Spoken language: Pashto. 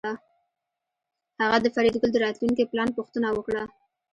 هغه د فریدګل د راتلونکي پلان پوښتنه وکړه